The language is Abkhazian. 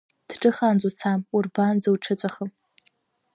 Дҿыхаанӡа уца, урбаанӡа уҽыҵәахы.